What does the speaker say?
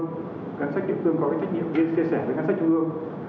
ngân sách địa phương có cái trách nhiệm liên chia sẻ với ngân sách trung ương